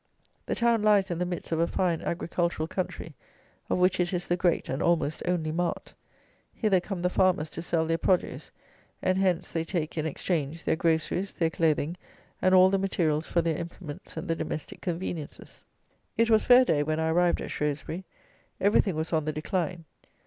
The town lies in the midst of a fine agricultural country, of which it is the great and almost only mart. Hither come the farmers to sell their produce, and hence they take, in exchange, their groceries, their clothing, and all the materials for their implements and the domestic conveniences. It was fair day when I arrived at Shrewsbury. Everything was on the decline.